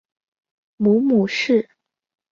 母母氏。